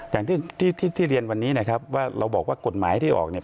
อย่างที่ที่เรียนวันนี้นะครับว่าเราบอกว่ากฎหมายที่ออกเนี่ย